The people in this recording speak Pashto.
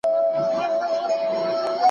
زه به سبا مڼې خورم.